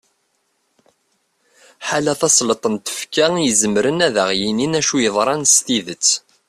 ḥala tasleḍt n tfekka i izemren ad aɣ-yinin acu yeḍran s tidet